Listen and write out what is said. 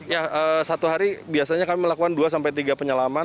ya satu hari biasanya kami melakukan dua sampai tiga penyelaman